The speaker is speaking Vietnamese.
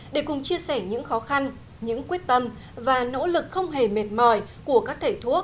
để cùng chia sẻ những khó khăn những quyết tâm và nỗ lực không hề mệt mỏi của các thầy thuốc